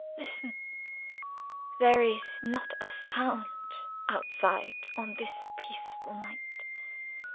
Listen! There is not a sound outside on this peaceful night.